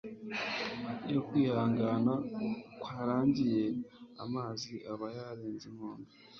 iyo kwihangana kwarangiye, amazi aba yarenze inkombe